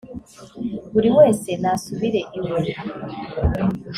buri wese nasubire iwe